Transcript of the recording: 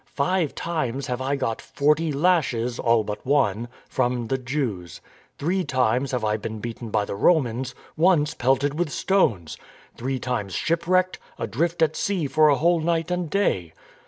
Five times have I got forty lashes (all but one) from the Jews, Three times have I been beaten by the Romans, once pelted with stones. Three times shipwrecked, adrift at sea for a whole night and day.